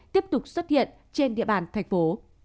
tiếp tục xuất hiện trên địa bàn thành phố